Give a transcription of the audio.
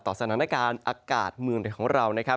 ต่อสถานการณ์อากาศเมืองของเรา